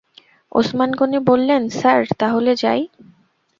ওসমান গনি বললেন, স্যার, তাহলে যাই।